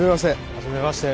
はじめまして。